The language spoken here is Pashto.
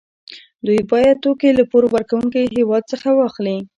دوی باید توکي له پور ورکوونکي هېواد څخه واخلي